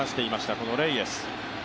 このレイエス。